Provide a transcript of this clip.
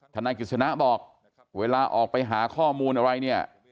นายกิจสนะบอกเวลาออกไปหาข้อมูลอะไรเนี่ย